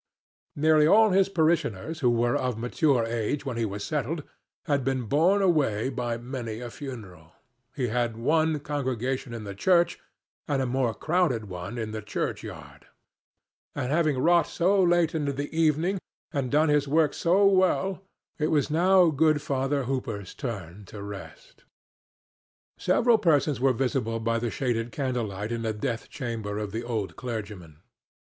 Nearly all his parishioners who were of mature age when he was settled had been borne away by many a funeral: he had one congregation in the church and a more crowded one in the churchyard; and, having wrought so late into the evening and done his work so well, it was now good Father Hooper's turn to rest. Several persons were visible by the shaded candlelight in the death chamber of the old clergyman.